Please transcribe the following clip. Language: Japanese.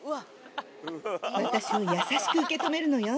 私を優しく受け止めるのよ。